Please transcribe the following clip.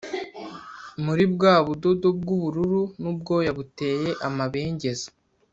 Muri Bwa Budodo Bw Ubururu N Ubwoya Buteye amabengeza